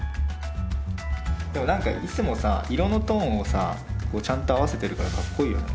でも何かいつもさ色のトーンをちゃんと合わせてるからかっこいいよね。